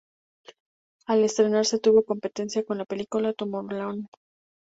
Al estrenarse, tuvo competencia con la película Tomorrowland.